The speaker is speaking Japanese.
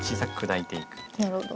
なるほど。